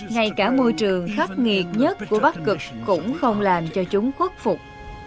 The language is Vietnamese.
ngay cả môi trường khắc nghiệt nhất của bắc cực cũng không làm cho chúng khuất phục